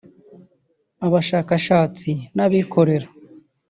abashakashatsi n’abikorera